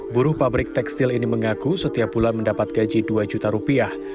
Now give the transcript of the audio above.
buruh pabrik tekstil ini mengaku setiap bulan mendapat gaji dua juta rupiah